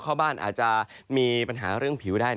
เข้าบ้านอาจจะมีปัญหาเรื่องผิวได้